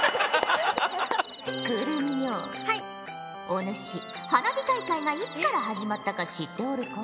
お主花火大会がいつから始まったか知っておるか？